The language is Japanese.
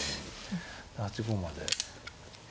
８五まで。